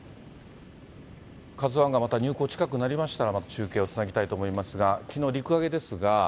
ＫＡＺＵＩがまた入港近くなりましたら、また中継をつなぎたいと思いますが、きのう陸揚げですが。